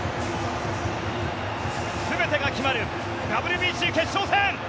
全てが決まるＷＢＣ決勝戦！